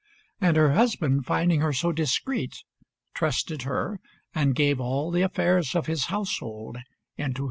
And her husband, finding her so discreet, trusted her and gave all the affairs of his household into her hands.